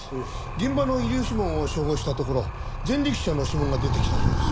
現場の遺留指紋を照合したところ前歴者の指紋が出てきたそうです。